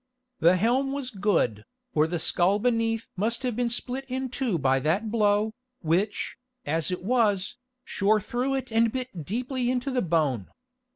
The helm was good, or the skull beneath must have been split in two by that blow, which, as it was, shore through it and bit deeply into the bone.